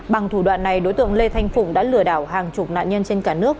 bằng thủ đoạn này đối tượng lê thanh phụng đã lừa đảo hàng chục nạn nhân trên cả nước